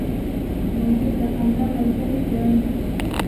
موزیک د خندا ملګری دی.